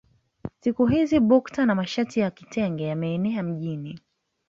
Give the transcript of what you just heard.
Siku hizi bukta na mashati ya kitenge yameenea mjini